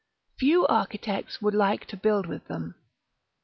Few architects would like to build with them.